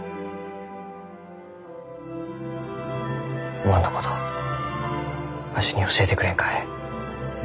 おまんのことわしに教えてくれんかえ？